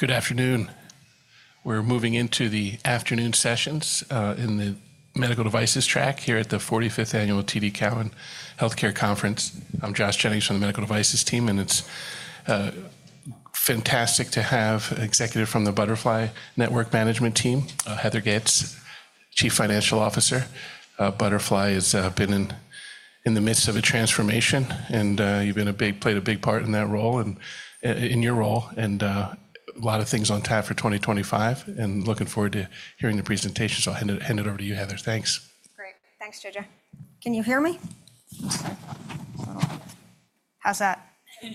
Good afternoon. We're moving into the afternoon sessions in the medical devices track here at the 45th Annual TD Cowen Healthcare Conference. I'm Josh Jennings from the medical devices team, and it's fantastic to have an executive from the Butterfly Network management team, Heather Getz, Chief Financial Officer. Butterfly has been in the midst of a transformation, and you've played a big part in that role and in your role, and a lot of things on tap for 2025. Looking forward to hearing the presentations. I'll hand it over to you, Heather. Thanks. Great. Thanks, Jojo. Can you hear me? How's that?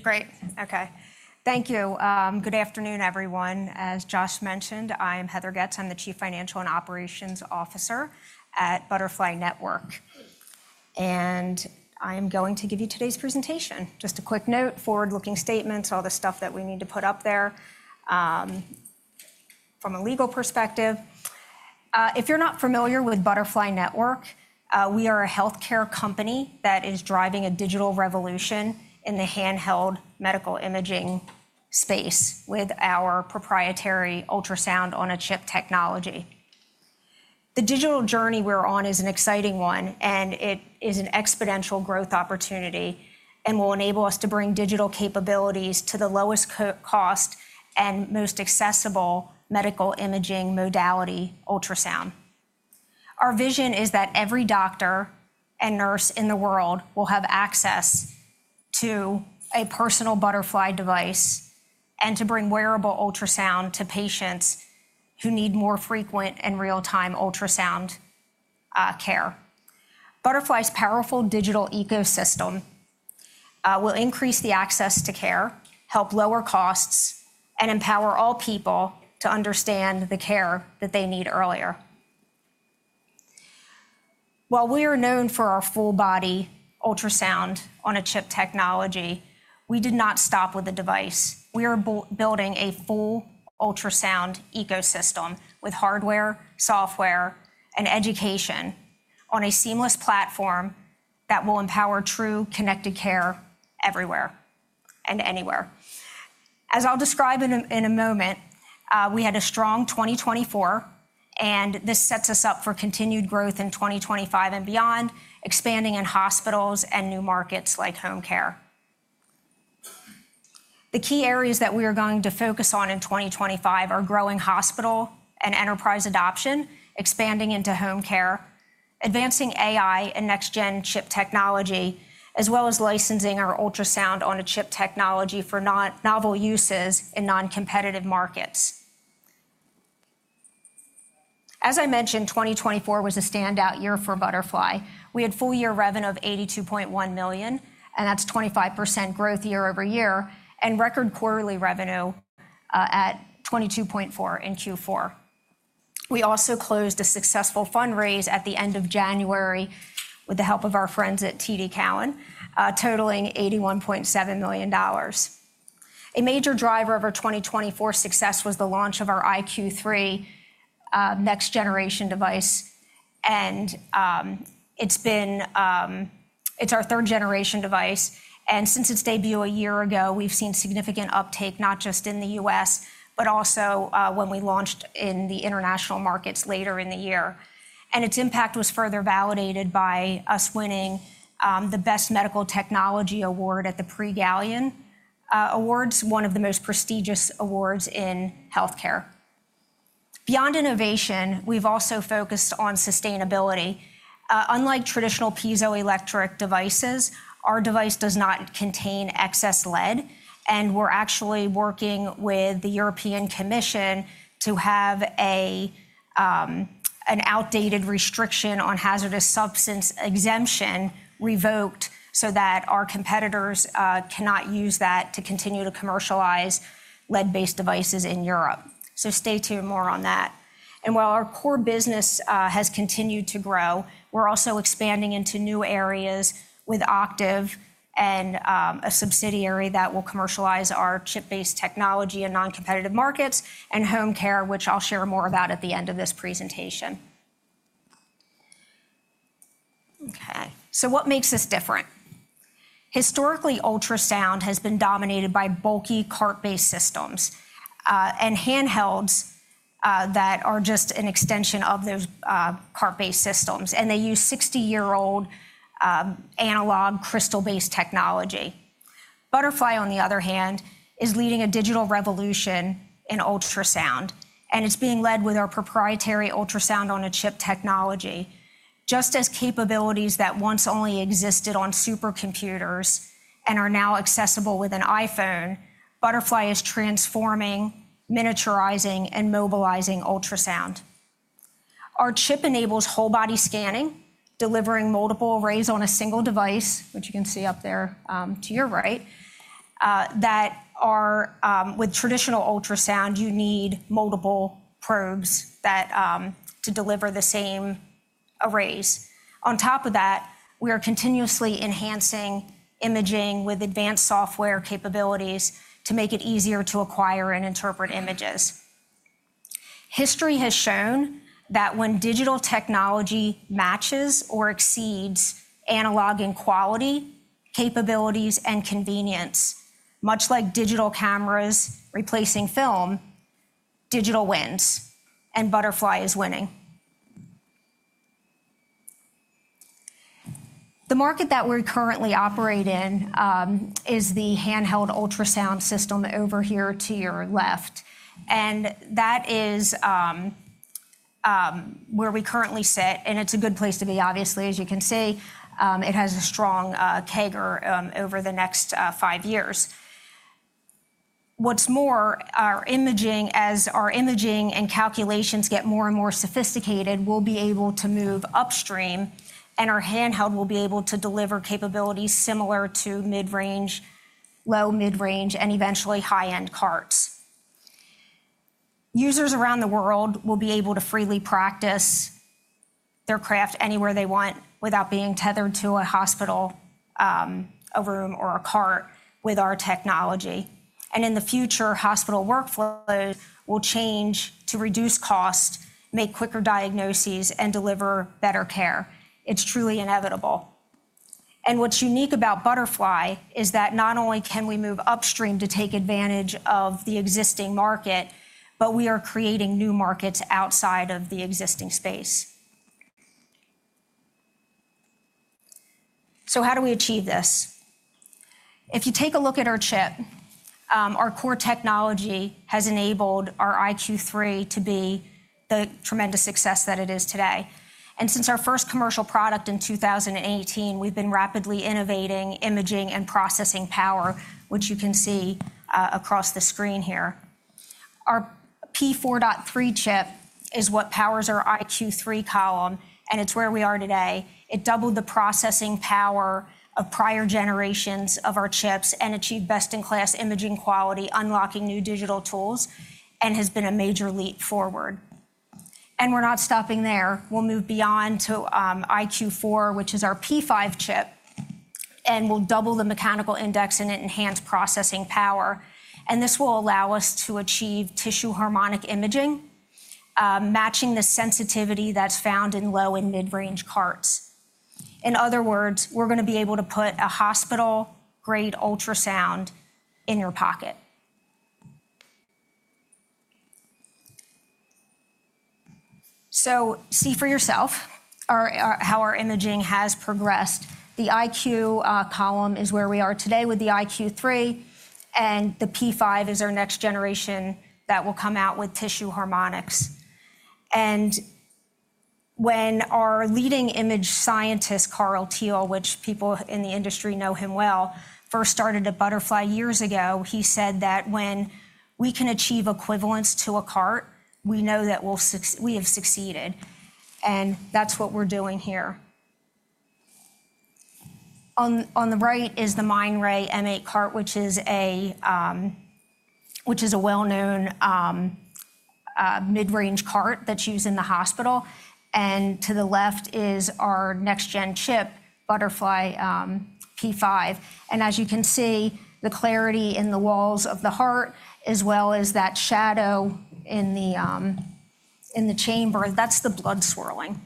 Great. Okay. Thank you. Good afternoon, everyone. As Josh mentioned, I am Heather Getz. I'm the Chief Financial and Operations Officer at Butterfly Network. I am going to give you today's presentation. Just a quick note, forward-looking statements, all the stuff that we need to put up there from a legal perspective. If you're not familiar with Butterfly Network, we are a healthcare company that is driving a digital revolution in the handheld medical imaging space with our proprietary ultrasound-on-a-chip technology. The digital journey we're on is an exciting one, and it is an exponential growth opportunity and will enable us to bring digital capabilities to the lowest cost and most accessible medical imaging modality, ultrasound. Our vision is that every doctor and nurse in the world will have access to a personal Butterfly device and to bring wearable ultrasound to patients who need more frequent and real-time ultrasound care. Butterfly's powerful digital ecosystem will increase the access to care, help lower costs, and empower all people to understand the care that they need earlier. While we are known for our full-body ultrasound-on-a-chip technology, we did not stop with the device. We are building a full ultrasound ecosystem with hardware, software, and education on a seamless platform that will empower true connected care everywhere and anywhere. As I'll describe in a moment, we had a strong 2024, and this sets us up for continued growth in 2025 and beyond, expanding in hospitals and new markets like home care. The key areas that we are going to focus on in 2025 are growing hospital and enterprise adoption, expanding into home care, advancing AI and next-gen chip technology, as well as licensing our ultrasound-on-a-chip technology for novel uses in non-competitive markets. As I mentioned, 2024 was a standout year for Butterfly. We had full-year revenue of $82.1 million, and that's 25% growth year-over-year, and record quarterly revenue at $22.4 million in Q4. We also closed a successful fundraise at the end of January with the help of our friends at TD Cowen, totaling $81.7 million. A major driver of our 2024 success was the launch of our iQ3 next-generation device. It is our third-generation device. Since its debut a year ago, we've seen significant uptake, not just in the U.S., but also when we launched in the international markets later in the year. Its impact was further validated by us winning the Best Medical Technology Award at the Pre-Galien Awards, one of the most prestigious awards in healthcare. Beyond innovation, we've also focused on sustainability. Unlike traditional piezoelectric devices, our device does not contain excess lead. We're actually working with the European Commission to have an outdated restriction on hazardous substance exemption revoked so that our competitors cannot use that to continue to commercialize lead-based devices in Europe. Stay tuned, more on that. While our core business has continued to grow, we're also expanding into new areas with Octave and a subsidiary that will commercialize our chip-based technology in non-competitive markets and home care, which I'll share more about at the end of this presentation. Okay, what makes this different? Historically, ultrasound has been dominated by bulky cart-based systems and handhelds that are just an extension of those cart-based systems. They use 60-year-old analog crystal-based technology. Butterfly, on the other hand, is leading a digital revolution in ultrasound. It is being led with our proprietary ultrasound-on-a-chip technology. Just as capabilities that once only existed on supercomputers and are now accessible with an iPhone, Butterfly is transforming, miniaturizing, and mobilizing ultrasound. Our chip enables whole-body scanning, delivering multiple arrays on a single device, which you can see up there to your right, that are with traditional ultrasound, you need multiple probes to deliver the same arrays. On top of that, we are continuously enhancing imaging with advanced software capabilities to make it easier to acquire and interpret images. History has shown that when digital technology matches or exceeds analog in quality, capabilities, and convenience, much like digital cameras replacing film, digital wins, and Butterfly is winning. The market that we currently operate in is the handheld ultrasound system over here to your left. That is where we currently sit. It is a good place to be, obviously, as you can see. It has a strong CAGR over the next five years. What's more, as our imaging and calculations get more and more sophisticated, we'll be able to move upstream, and our handheld will be able to deliver capabilities similar to mid-range, low-mid-range, and eventually high-end carts. Users around the world will be able to freely practice their craft anywhere they want without being tethered to a hospital, a room, or a cart with our technology. In the future, hospital workflows will change to reduce cost, make quicker diagnoses, and deliver better care. It's truly inevitable. What's unique about Butterfly is that not only can we move upstream to take advantage of the existing market, but we are creating new markets outside of the existing space. How do we achieve this? If you take a look at our chip, our core technology has enabled our iQ3 to be the tremendous success that it is today. Since our first commercial product in 2018, we've been rapidly innovating imaging and processing power, which you can see across the screen here. Our P4.3 chip is what powers our iQ3 column, and it's where we are today. It doubled the processing power of prior generations of our chips and achieved best-in-class imaging quality, unlocking new digital tools, and has been a major leap forward. We're not stopping there. We'll move beyond to iQ4, which is our P5 chip, and we'll double the mechanical index and enhance processing power. This will allow us to achieve tissue harmonic imaging, matching the sensitivity that's found in low and mid-range carts. In other words, we're going to be able to put a hospital-grade ultrasound in your pocket. See for yourself how our imaging has progressed. The iQ column is where we are today with the iQ3, and the P5 is our next generation that will come out with tissue harmonics. When our leading image scientist, Carl Teal, which people in the industry know him well, first started at Butterfly years ago, he said that when we can achieve equivalence to a cart, we know that we have succeeded. That's what we're doing here. On the right is the Mindray M8 cart, which is a well-known mid-range cart that's used in the hospital. To the left is our next-gen chip, Butterfly P5. As you can see, the clarity in the walls of the heart, as well as that shadow in the chamber, that's the blood swirling.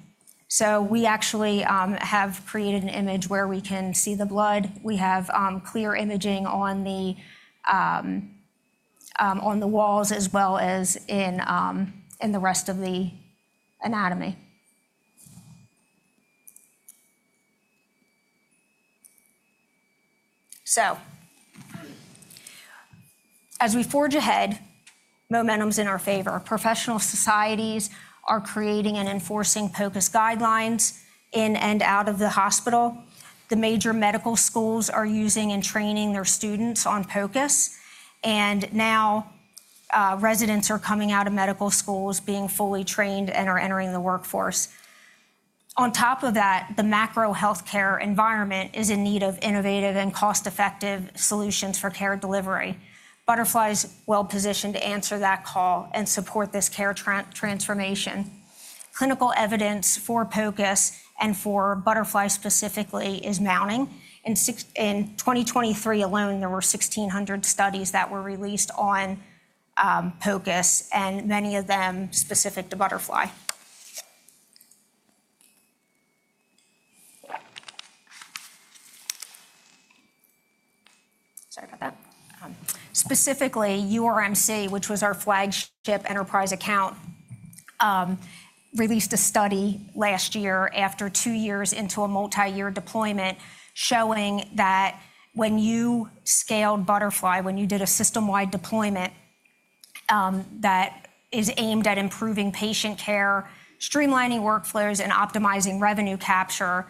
We actually have created an image where we can see the blood. We have clear imaging on the walls as well as in the rest of the anatomy. As we forge ahead, momentum's in our favor. Professional societies are creating and enforcing POCUS guidelines in and out of the hospital. The major medical schools are using and training their students on POCUS. Now residents are coming out of medical schools, being fully trained, and are entering the workforce. On top of that, the macro healthcare environment is in need of innovative and cost-effective solutions for care delivery. Butterfly is well-positioned to answer that call and support this care transformation. Clinical evidence for POCUS and for Butterfly specifically is mounting. In 2023 alone, there were 1,600 studies that were released on POCUS, and many of them specific to Butterfly. Sorry about that. Specifically, URMC, which was our flagship enterprise account, released a study last year after two years into a multi-year deployment showing that when you scaled Butterfly, when you did a system-wide deployment that is aimed at improving patient care, streamlining workflows, and optimizing revenue capture,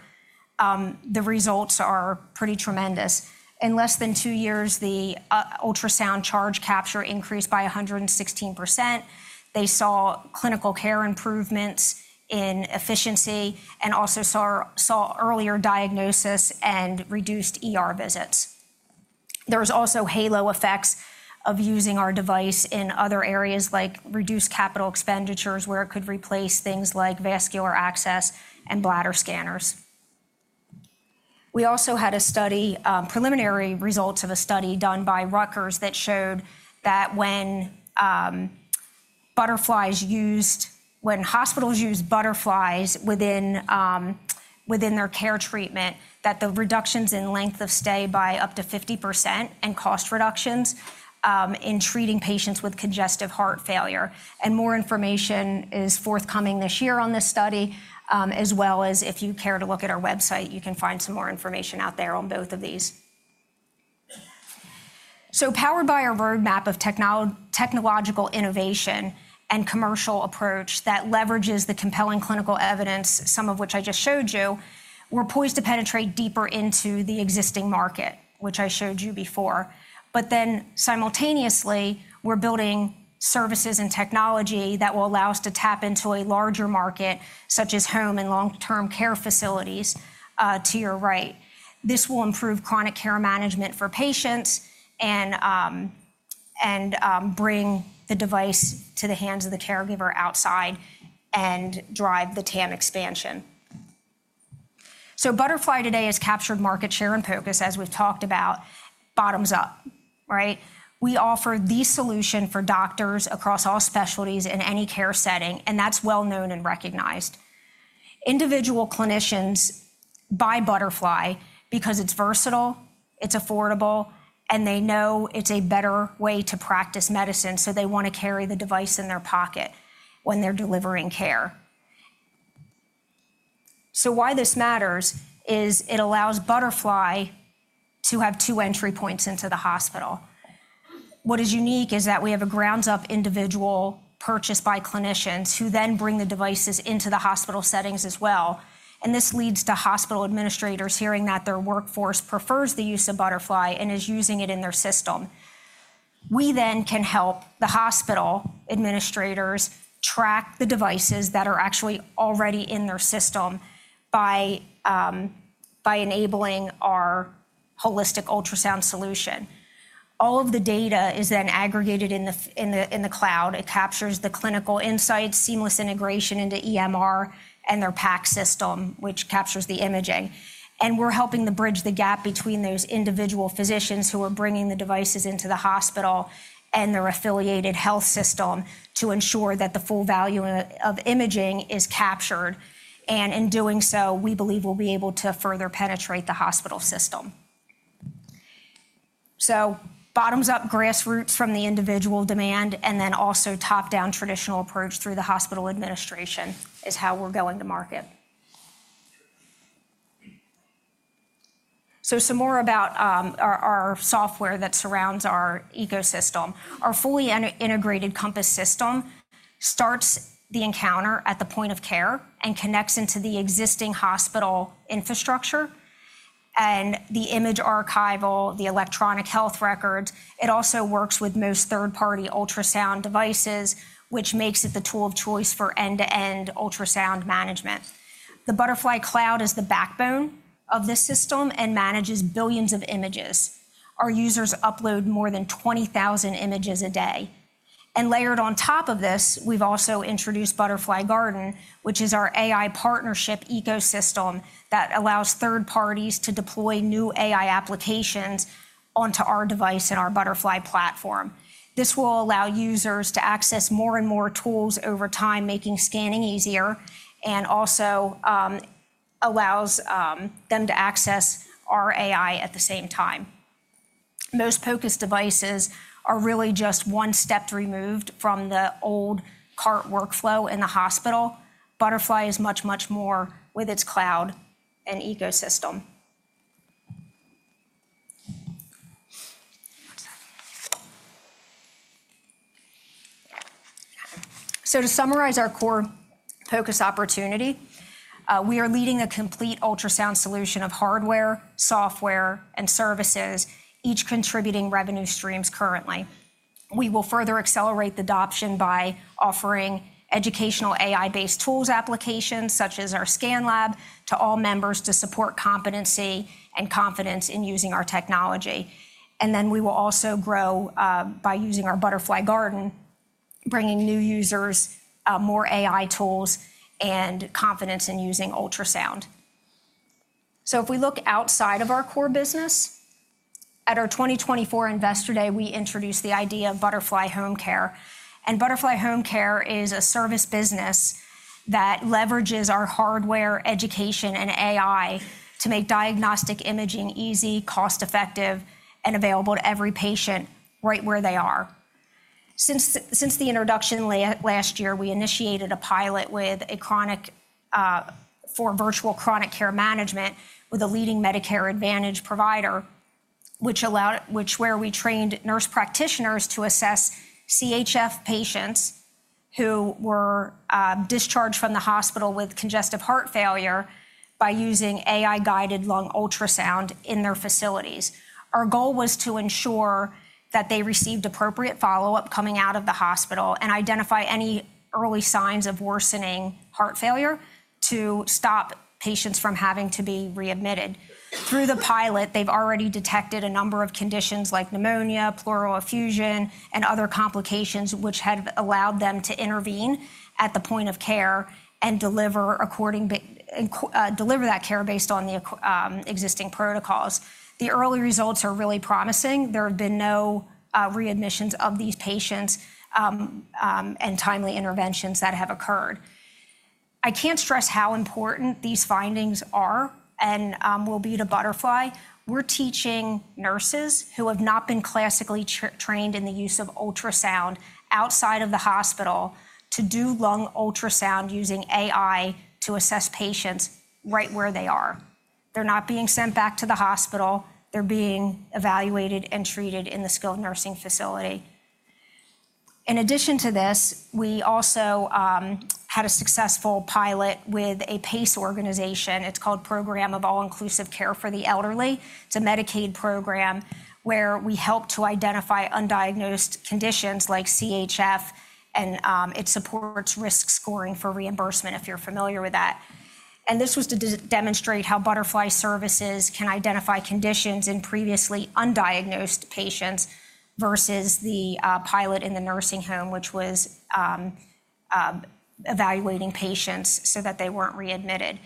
the results are pretty tremendous. In less than two years, the ultrasound charge capture increased by 116%. They saw clinical care improvements in efficiency and also saw earlier diagnosis and reduced visits. There's also halo effects of using our device in other areas like reduced capital expenditures where it could replace things like vascular access and bladder scanners. We also had a study, preliminary results of a study done by Rutgers that showed that when hospitals use Butterfly within their care treatment, that the reductions in length of stay by up to 50% and cost reductions in treating patients with congestive heart failure. More information is forthcoming this year on this study, as well as if you care to look at our website, you can find some more information out there on both of these. Powered by our roadmap of technological innovation and commercial approach that leverages the compelling clinical evidence, some of which I just showed you, we're poised to penetrate deeper into the existing market, which I showed you before. Then simultaneously, we're building services and technology that will allow us to tap into a larger market, such as home and long-term care facilities to your right. This will improve chronic care management for patients and bring the device to the hands of the caregiver outside and drive the TAM expansion. Butterfly today has captured market share in POCUS, as we've talked about, bottoms up, right? We offer the solution for doctors across all specialties in any care setting, and that's well-known and recognized. Individual clinicians buy Butterfly because it's versatile, it's affordable, and they know it's a better way to practice medicine, so they want to carry the device in their pocket when they're delivering care. Why this matters is it allows Butterfly to have two entry points into the hospital. What is unique is that we have a grounds-up individual purchased by clinicians who then bring the devices into the hospital settings as well. This leads to hospital administrators hearing that their workforce prefers the use of Butterfly and is using it in their system. We then can help the hospital administrators track the devices that are actually already in their system by enabling our holistic ultrasound solution. All of the data is then aggregated in the cloud. It captures the clinical insights, seamless integration into EMR, and their PAC system, which captures the imaging. We are helping to bridge the gap between those individual physicians who are bringing the devices into the hospital and their affiliated health system to ensure that the full value of imaging is captured. In doing so, we believe we will be able to further penetrate the hospital system. Bottoms up, grassroots from the individual demand, and then also top-down traditional approach through the hospital administration is how we're going to market. Some more about our software that surrounds our ecosystem. Our fully integrated Compass system starts the encounter at the point of care and connects into the existing hospital infrastructure and the image archival, the electronic health records. It also works with most third-party ultrasound devices, which makes it the tool of choice for end-to-end ultrasound management. The Butterfly Cloud is the backbone of this system and manages billions of images. Our users upload more than 20,000 images a day. Layered on top of this, we've also introduced Butterfly Garden, which is our AI partnership ecosystem that allows third parties to deploy new AI applications onto our device and our Butterfly platform. This will allow users to access more and more tools over time, making scanning easier and also allows them to access our AI at the same time. Most POCUS devices are really just one step removed from the old cart workflow in the hospital. Butterfly is much, much more with its cloud and ecosystem. To summarize our core POCUS opportunity, we are leading a complete ultrasound solution of hardware, software, and services, each contributing revenue streams currently. We will further accelerate the adoption by offering educational AI-based tools applications, such as our Scanlab, to all members to support competency and confidence in using our technology. We will also grow by using our Butterfly Garden, bringing new users, more AI tools, and confidence in using ultrasound. If we look outside of our core business, at our 2024 Investor Day, we introduced the idea of Butterfly Home Care. Butterfly Home Care is a service business that leverages our hardware, education, and AI to make diagnostic imaging easy, cost-effective, and available to every patient right where they are. Since the introduction last year, we initiated a pilot for virtual chronic care management with a leading Medicare Advantage provider, where we trained nurse practitioners to assess CHF patients who were discharged from the hospital with congestive heart failure by using AI-guided lung ultrasound in their facilities. Our goal was to ensure that they received appropriate follow-up coming out of the hospital and identify any early signs of worsening heart failure to stop patients from having to be readmitted. Through the pilot, they've already detected a number of conditions like pneumonia, pleural effusion, and other complications, which have allowed them to intervene at the point of care and deliver that care based on the existing protocols. The early results are really promising. There have been no readmissions of these patients and timely interventions that have occurred. I can't stress how important these findings are and will be to Butterfly. We're teaching nurses who have not been classically trained in the use of ultrasound outside of the hospital to do lung ultrasound using AI to assess patients right where they are. They're not being sent back to the hospital. They're being evaluated and treated in the skilled nursing facility. In addition to this, we also had a successful pilot with a PACE organization. It's called Program of All-Inclusive Care for the Elderly. It's a Medicaid program where we help to identify undiagnosed conditions like CHF, and it supports risk scoring for reimbursement if you're familiar with that. This was to demonstrate how Butterfly services can identify conditions in previously undiagnosed patients versus the pilot in the nursing home, which was evaluating patients so that they were not readmitted.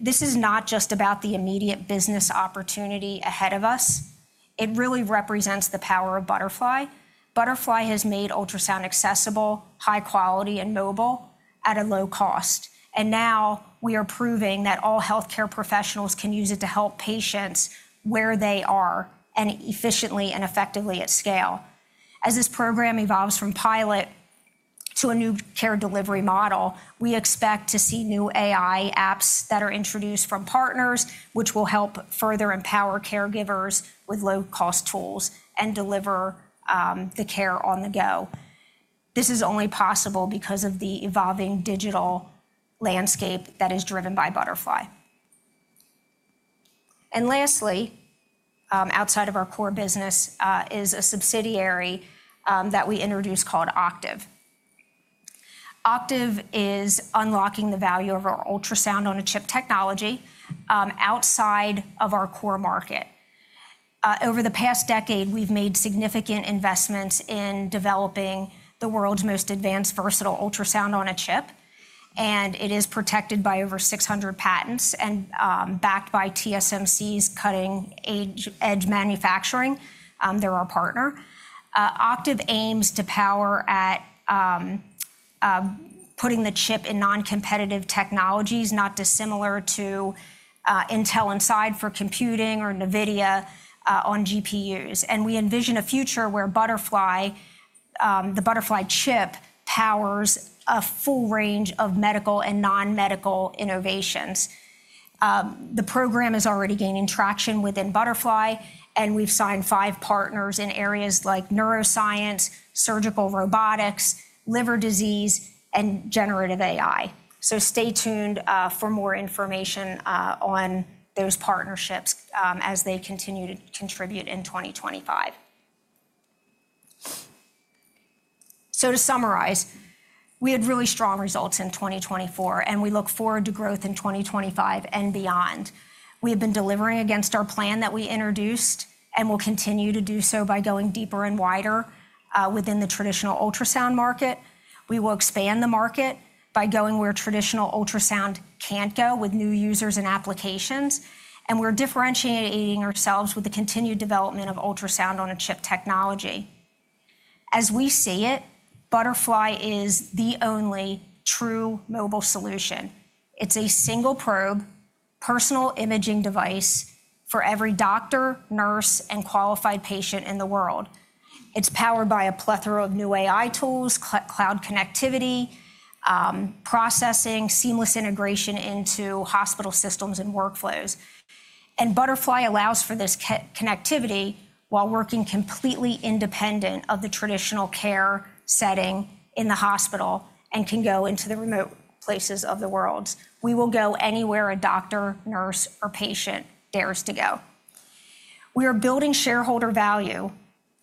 This is not just about the immediate business opportunity ahead of us. It really represents the power of Butterfly. Butterfly has made ultrasound accessible, high-quality, and mobile at a low cost. Now we are proving that all healthcare professionals can use it to help patients where they are and efficiently and effectively at scale. As this program evolves from pilot to a new care delivery model, we expect to see new AI apps that are introduced from partners, which will help further empower caregivers with low-cost tools and deliver the care on the go. This is only possible because of the evolving digital landscape that is driven by Butterfly. Lastly, outside of our core business is a subsidiary that we introduced called Octave. Octave is unlocking the value of our ultrasound-on-a-chip technology outside of our core market. Over the past decade, we've made significant investments in developing the world's most advanced versatile ultrasound-on-a-chip, and it is protected by over 600 patents and backed by TSMC's cutting-edge manufacturing. They're our partner. Octave aims to power at putting the chip in non-competitive technologies, not dissimilar to Intel Inside for computing or NVIDIA on GPUs. We envision a future where the Butterfly chip powers a full range of medical and non-medical innovations. The program is already gaining traction within Butterfly, and we've signed five partners in areas like neuroscience, surgical robotics, liver disease, and generative AI. Stay tuned for more information on those partnerships as they continue to contribute in 2025. To summarize, we had really strong results in 2024, and we look forward to growth in 2025 and beyond. We have been delivering against our plan that we introduced and will continue to do so by going deeper and wider within the traditional ultrasound market. We will expand the market by going where traditional ultrasound cannot go with new users and applications, and we are differentiating ourselves with the continued development of ultrasound-on-a-chip technology. As we see it, Butterfly is the only true mobile solution. It is a single probe, personal imaging device for every doctor, nurse, and qualified patient in the world. It is powered by a plethora of new AI tools, cloud connectivity, processing, seamless integration into hospital systems and workflows. Butterfly allows for this connectivity while working completely independent of the traditional care setting in the hospital and can go into the remote places of the world. We will go anywhere a doctor, nurse, or patient dares to go. We are building shareholder value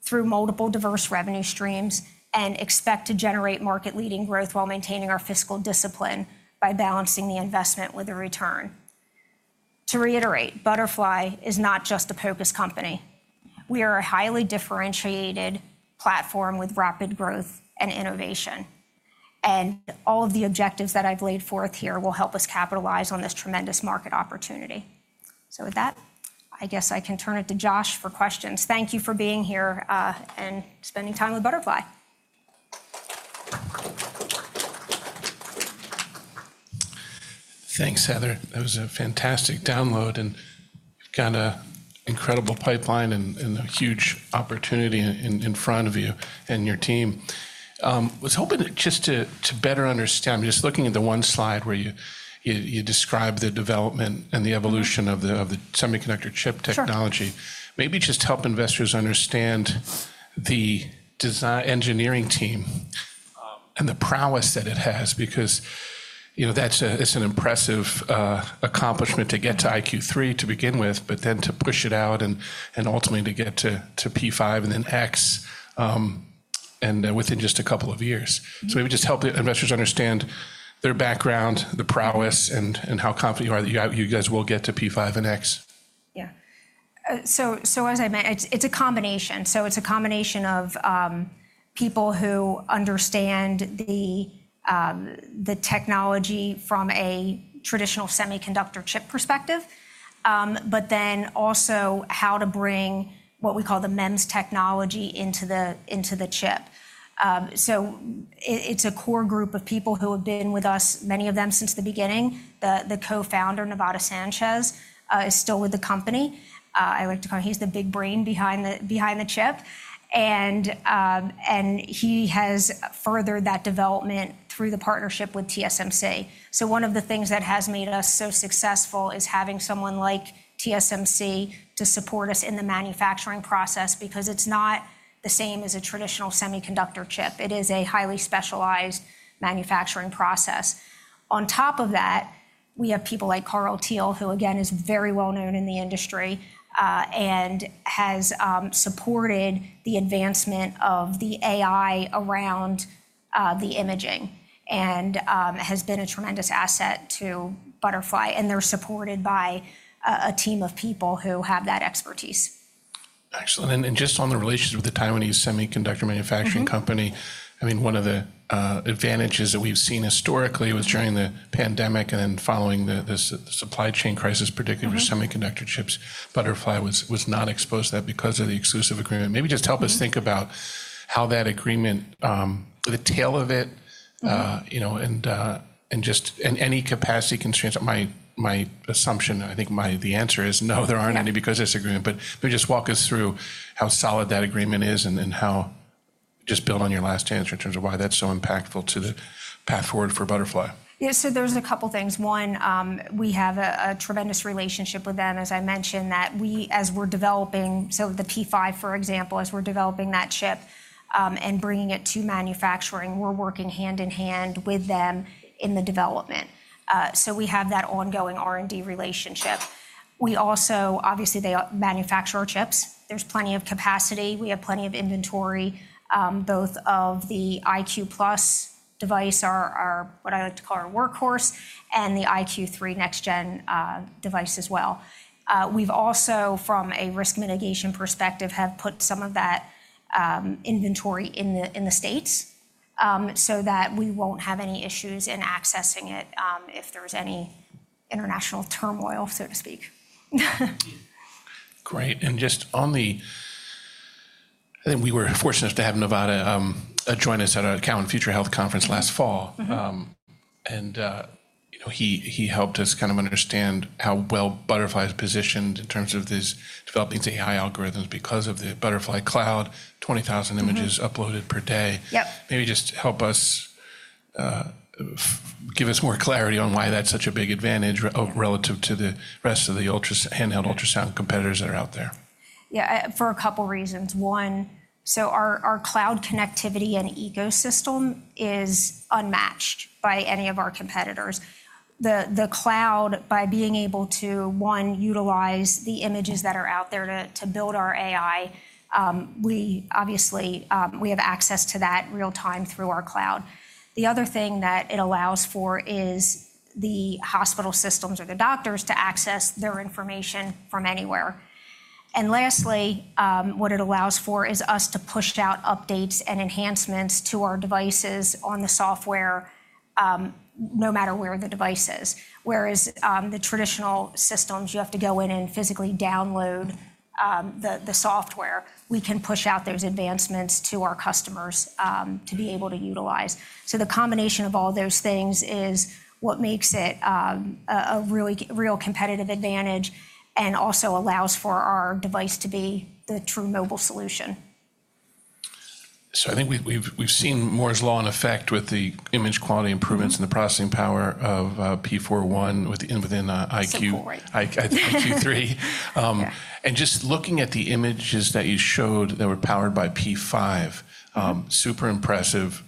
through multiple diverse revenue streams and expect to generate market-leading growth while maintaining our fiscal discipline by balancing the investment with a return. To reiterate, Butterfly is not just a POCUS company. We are a highly differentiated platform with rapid growth and innovation. All of the objectives that I've laid forth here will help us capitalize on this tremendous market opportunity. I guess I can turn it to Josh for questions. Thank you for being here and spending time with Butterfly. Thanks, Heather. That was a fantastic download, and you've got an incredible pipeline and a huge opportunity in front of you and your team. I was hoping just to better understand, just looking at the one slide where you describe the development and the evolution of the semiconductor chip technology, maybe just help investors understand the engineering team and the prowess that it has, because that's an impressive accomplishment to get to iQ3 to begin with, but then to push it out and ultimately to get to P5 and then X within just a couple of years. Maybe just help investors understand their background, the prowess, and how confident you are that you guys will get to P5 and X. Yeah. As I mentioned, it's a combination. It's a combination of people who understand the technology from a traditional semiconductor chip perspective, but then also how to bring what we call the MEMS technology into the chip. It's a core group of people who have been with us, many of them since the beginning. The Co-Founder, Nevada Sanchez, is still with the company. I like to call him, he's the big brain behind the chip, and he has furthered that development through the partnership with TSMC. One of the things that has made us so successful is having someone like TSMC to support us in the manufacturing process, because it's not the same as a traditional semiconductor chip. It is a highly specialized manufacturing process. On top of that, we have people like Carl Teal, who again is very well known in the industry and has supported the advancement of the AI around the imaging and has been a tremendous asset to Butterfly. They are supported by a team of people who have that expertise. Excellent. Just on the relationship with the Taiwanese semiconductor manufacturing company, I mean, one of the advantages that we've seen historically was during the pandemic and then following the supply chain crisis, particularly for semiconductor chips, Butterfly was not exposed to that because of the exclusive agreement. Maybe just help us think about how that agreement, the tail of it, and just any capacity constraints. My assumption, I think the answer is no, there aren't any because of this agreement. Maybe just walk us through how solid that agreement is and just build on your last answer in terms of why that's so impactful to the path forward for Butterfly. Yeah, so there's a couple of things. One, we have a tremendous relationship with them, as I mentioned, that we, as we're developing, so the P5, for example, as we're developing that chip and bringing it to manufacturing, we're working hand in hand with them in the development. We have that ongoing R&D relationship. We also, obviously, they manufacture our chips. There's plenty of capacity. We have plenty of inventory, both of the iQ+ device, what I like to call our workhorse, and the iQ3 next-gen device as well. We've also, from a risk mitigation perspective, put some of that inventory in the United States so that we won't have any issues in accessing it if there's any international turmoil, so to speak. Great. Just on the, I think we were fortunate enough to have Nevada join us at our Cowen Future Health Conference last fall. He helped us kind of understand how well Butterfly is positioned in terms of developing its AI algorithms because of the Butterfly Cloud, 20,000 images uploaded per day. Maybe just help us, give us more clarity on why that's such a big advantage relative to the rest of the handheld ultrasound competitors that are out there. Yeah, for a couple of reasons. One, our cloud connectivity and ecosystem is unmatched by any of our competitors. The cloud, by being able to, one, utilize the images that are out there to build our AI, we obviously have access to that real-time through our cloud. The other thing that it allows for is the hospital systems or the doctors to access their information from anywhere. Lastly, what it allows for is us to push out updates and enhancements to our devices on the software no matter where the device is. Whereas the traditional systems, you have to go in and physically download the software, we can push out those advancements to our customers to be able to utilize. The combination of all those things is what makes it a real competitive advantage and also allows for our device to be the true mobile solution. I think we've seen Moore's Law in effect with the image quality improvements and the processing power of P4.1 within iQ3. Just looking at the images that you showed that were powered by P5, super impressive,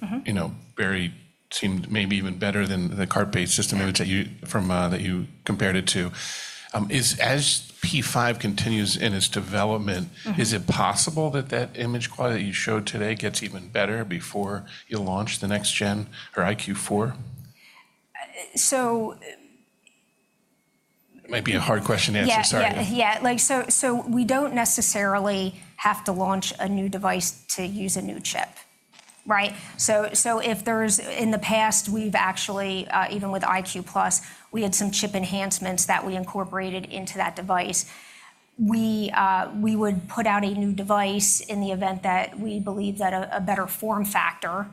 maybe even better than the cart-based system image that you compared it to. As P5 continues in its development, is it possible that that image quality that you showed today gets even better before you launch the next gen or iQ4? So. It might be a hard question to answer. Sorry. Yeah. We do not necessarily have to launch a new device to use a new chip. Right? In the past, we have actually, even with iQ+, had some chip enhancements that we incorporated into that device. We would put out a new device in the event that we believe that a better form factor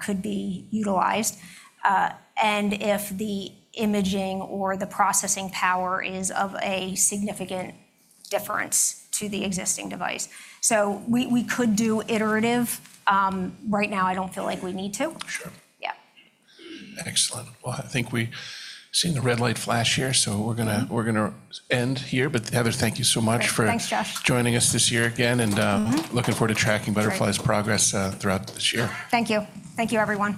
could be utilized, and if the imaging or the processing power is of a significant difference to the existing device. We could do iterative. Right now, I do not feel like we need to. Yeah. Excellent. I think we've seen the red light flash here, so we're going to end here. Heather, thank you so much for. Thanks, Josh. Joining us this year again, and looking forward to tracking Butterfly's progress throughout this year. Thank you. Thank you, everyone.